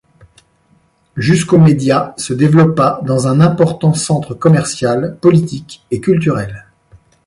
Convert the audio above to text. Jusqu'au Mediaș se développa dans un important centre commercial, politique et culturel.